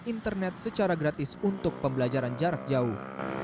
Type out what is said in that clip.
internet secara gratis untuk pembelajaran jarak jauh